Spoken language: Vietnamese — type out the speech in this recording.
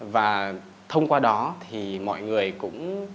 và thông qua đó thì mọi người cũng